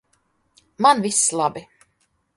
Man viss labi!